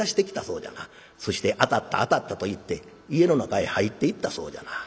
そして当たった当たったと言って家の中へ入っていったそうじゃな。